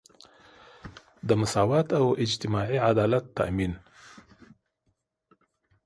د مساوات او اجتماعي عدالت تامین.